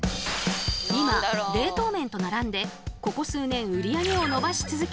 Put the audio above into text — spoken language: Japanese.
今冷凍麺と並んでここ数年売り上げを伸ばし続け